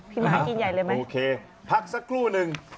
หมากินใหญ่เลยไหมโอเคพักสักครู่นึง